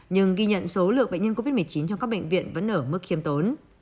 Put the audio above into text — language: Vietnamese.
nhưng ghi nhận số lượng bệnh nhân covid một mươi chín trong các bệnh viện vẫn ở mức khiêm tốn